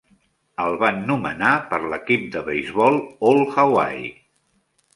El van nomenar per l'equip de beisbol All-Hawaii.